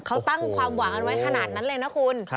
เขาตั้งความหวังกันไว้ขนาดนั้นเลยนะคุณ